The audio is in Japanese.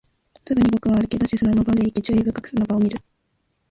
すぐに僕は歩き出し、砂場まで行き、注意深く砂場を見る